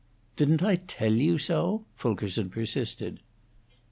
"Didn't I tell you so?" Fulkerson persisted.